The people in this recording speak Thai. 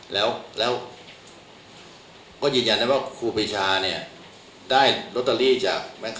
เราให้ความเชื่อถูกรูปสี่เปอร์เซ็นต์ครับกับหนักหนัก